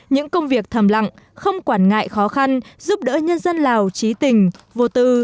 những công việc thầm lặng không quản ngại khó khăn giúp đỡ nhân dân lào trí tình vô tư